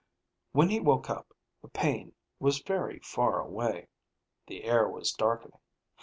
When he woke up, the pain was very far away. The air was darkening.